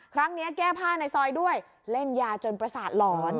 ครั้งนี้แก้ผ้าในซอยด้วยเล่นยาจนปราสาทหลอน